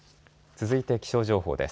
続いて気象情報です。